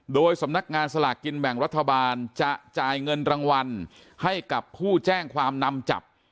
โดยสำนักงานสลากกินแบ่งรัฐบาลจะจ่ายเงินรางวัลให้กับผู้แจ้งความนำจับ